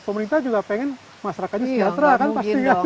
pemerintah juga pengen masyarakatnya sejahtera kan pasti ya